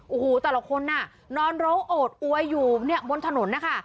โอ้โหแต่ละคนน่ะนอนร้องโอดอวยอยู่เนี่ยบนถนนนะคะ